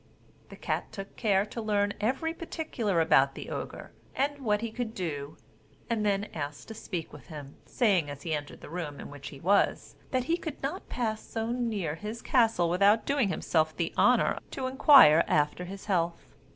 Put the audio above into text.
The cat took care to learn every particular about the Ogre, and what he could do, and then asked to speak with him, saying, as he entered the room in which he was, that he could not pass so near his castle without doing himself the honour to inquire after his health.